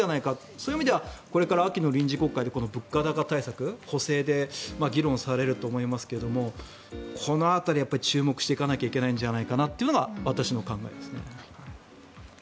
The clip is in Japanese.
そういう意味ではこれから秋の臨時国会で物価高対策議論されると思いますがこの辺りは注目していかなきゃいけないんじゃないかなというのが私の考えですね。